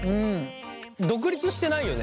独立してないよね？